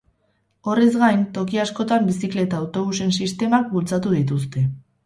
Horrez gain, toki askotan bizikleta-autobusen sistemak bultzatu dituzte.